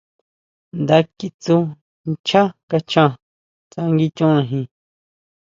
Nda kitsú nchá kaxhan tsánguichonejin.